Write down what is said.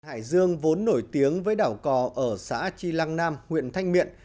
hải dương vốn nổi tiếng với đảo cò ở xã tri lăng nam huyện thanh miện